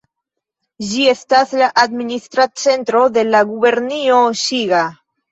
Ĝi estas la administra centro de la gubernio Ŝiga.